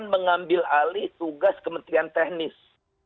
mengambil alih tugas kementerian teknis